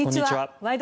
「ワイド！